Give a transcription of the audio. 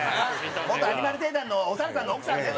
元アニマル梯団のおさるさんの奥さんねそれ！